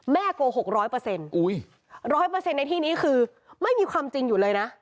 แม่โกหกร้อยเปอร์เซ็นต์ร้อยเปอร์เซ็นต์ในที่นี้คือไม่มีคำจริงอยู่เลยนะ